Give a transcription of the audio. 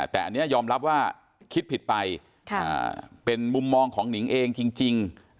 แต่อันนี้ยอมรับว่าคิดผิดไปเป็นมุมมองของหนิงเองจริง